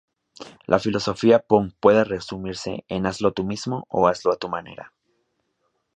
La filosofía punk puede resumirse en: "Hazlo tú mismo" o "hazlo a tu manera".